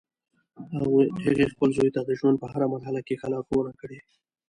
هغې خپل زوی ته د ژوند په هر مرحله کې ښه لارښوونه کړی